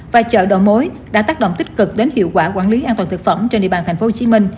và chợ độ mối đã tác động tích cực đến hiệu quả quản lý an toàn được phẩm trên địa bàn tp hcm